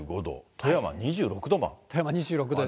富山２６度です。